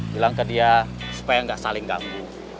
bilang ke dia supaya nggak saling ganggu